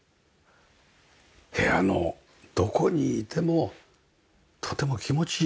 部屋のどこにいてもとても気持ちいい。